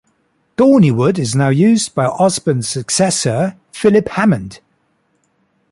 Dorneywood is now used by Osborne's successor, Philip Hammond.